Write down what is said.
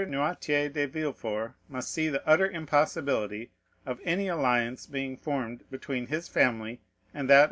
Noirtier de Villefort must see the utter impossibility of any alliance being formed between his family and that of M.